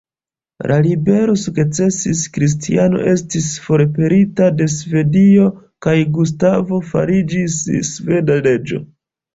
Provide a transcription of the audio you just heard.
La ribelo sukcesis, Kristiano estis forpelita de Svedio, kaj Gustavo fariĝis sveda reĝo.